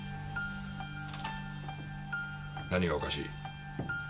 何がおかしい？